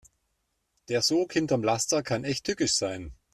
Der Sog hinterm Laster kann echt tückisch sein.